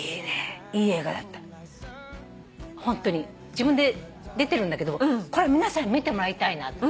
自分で出てるんだけどこれ皆さんに見てもらいたいなと。